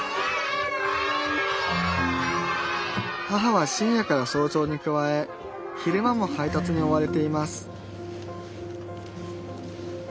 母は深夜から早朝に加え昼間も配達に追われています